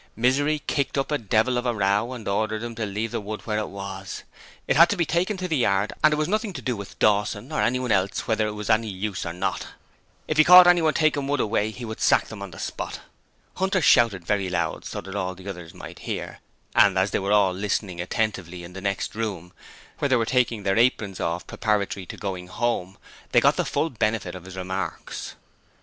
Misery kicked up a devil of a row and ordered him to leave the wood where it was: it had to be taken to the yard, and it was nothing to do with Dawson or anyone else whether it was any use or not! If he caught anyone taking wood away he would sack them on the spot. Hunter shouted very loud so that all the others might hear, and as they were all listening attentively in the next room, where they were taking their aprons off preparatory to going home, they got the full benefit of his remarks.